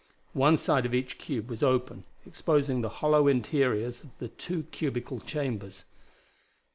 One side of each cube was open, exposing the hollow interiors of the two cubical chambers.